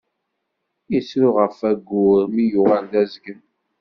Yettru ɣef wayyur mi yuɣal d azgen.